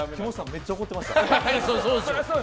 めっちゃ怒ってました。